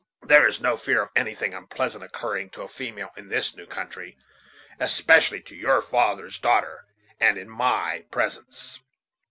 There is no fear of anything unpleasant occurring to a female in this new country, especially to your father's daughter, and in my presence."